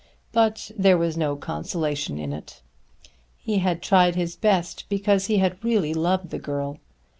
But there was no consolation in it. He had tried his best because he had really loved the girl.